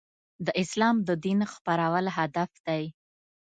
د اسلام د دین خپرول هدف دی.